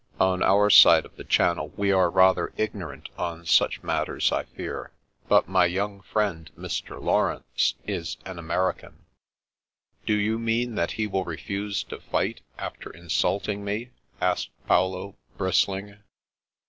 ." On our side of the Channel we are rather ignorant on such matters, I fear. But my young friend Mr. Laurence is an American." " Do you mean that he will refuse to fight, after insulting me? " asked Paolo, bristling.